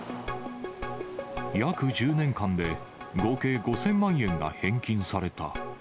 約１０年間で、合計５０００万円が返金された。